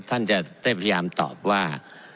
ท่านจะได้พยายามตอบว่า